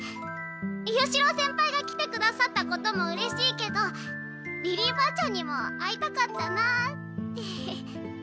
与四郎先輩が来てくださったこともうれしいけどリリーばあちゃんにも会いたかったなあって。